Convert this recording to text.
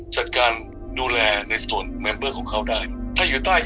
จัดการแนวตอลเนี่ยส่วน